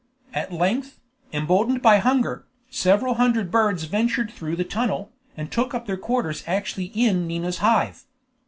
At length, emboldened by hunger, several hundred birds ventured through the tunnel, and took up their quarters actually in Nina's Hive.